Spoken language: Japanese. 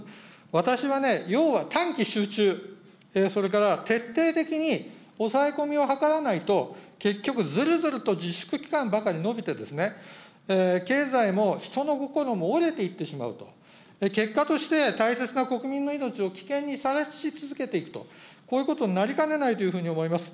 私はね、要は短期集中、それから徹底的に抑え込みを図らないと、結局ずるずると自粛期間ばかり延びて、経済も、人の心も折れていってしまうと、結果として大切な国民の命を危険にさらし続けていると、こういうことになりかねないというふうに思います。